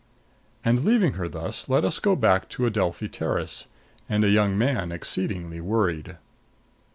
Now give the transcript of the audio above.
And leaving her thus, let us go back to Adelphi Terrace and a young man exceedingly worried.